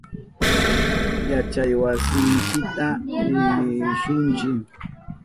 Yachaywasinchita rishunchi.